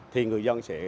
thì người dân sẽ cảm thấy